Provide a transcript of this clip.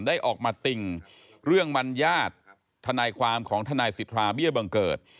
ได้ออกมาติ่งเรื่องบรรยาทนายความของทนายสิทธาเบี้ยบังเกิด